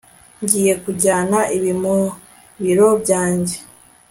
ngiye kujyana ibi mu biro byanjye